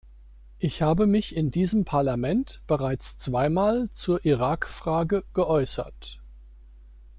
Ich habe mich in diesem Parlament bereits zweimal zur Irakfrage geäußert.